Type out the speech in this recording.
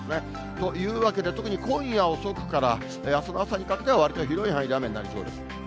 というわけで、特に今夜遅くからあすの朝にかけてはわりと広い範囲で雨になりそうです。